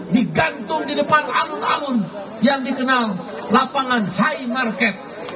di kantung di depan alun alun yang dikenal lapangan high market